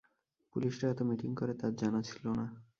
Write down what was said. পুলিশরা এত মিটিং করে, তাঁর জানা ছিল না।